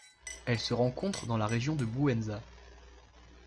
Elle se rencontre dans la région de la Bouenza.